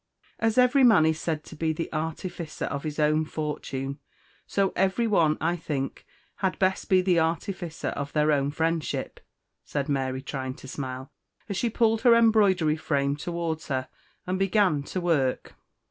"As every man is said to be the artificer of his own fortune, so every one, I think, had best be the artificer of their own friendship," said Mary, trying to smile, as she pulled her embroidery frame towards her, and began to work.